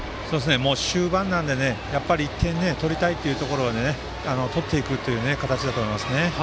終盤なので１点取りたいというところで取っていくという形だと思います。